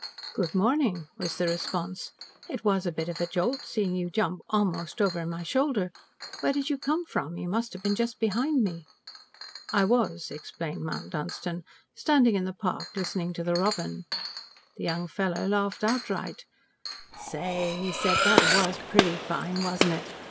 "Good morning," was the response. "It was a bit of a jolt seeing you jump almost over my shoulder. Where did you come from? You must have been just behind me." "I was," explained Mount Dunstan. "Standing in the park listening to the robin." The young fellow laughed outright. "Say," he said, "that was pretty fine, wasn't it?